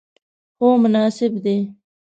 هو، مناسب دی